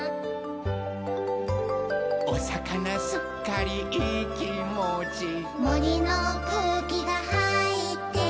「おさかなすっかりいいきもち」「もりのくうきがはいってる」